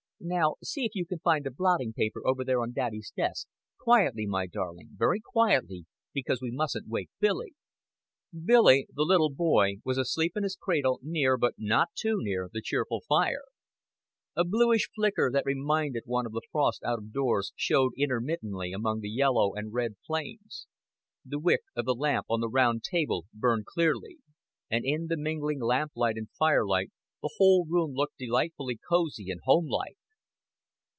"Now, see if you can find the blotting paper over there on daddy's desk. Quietly, my darling. Very quietly because we mustn't wake Billy." Billy, the little boy, was asleep in his cradle, near, but not too near, the cheerful fire; a bluish flicker that reminded one of the frost out of doors showed intermittently among the yellow and red flames; the wick of the lamp on the round table burned clearly; and in the mingling lamplight and firelight the whole room looked delightfully cozy and homelike.